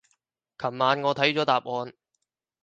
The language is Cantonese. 琴晚我睇咗答案